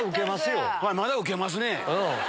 まだウケますね。